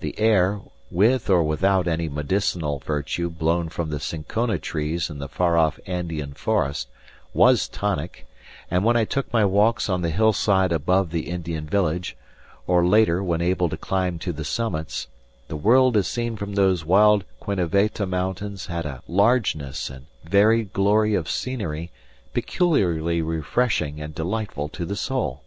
The air, with or without any medicinal virtue blown from the cinchona trees in the far off Andean forest, was tonic; and when I took my walks on the hillside above the Indian village, or later when able to climb to the summits, the world as seen from those wild Queneveta mountains had a largeness and varied glory of scenery peculiarly refreshing and delightful to the soul.